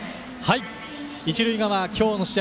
一塁側、今日の試合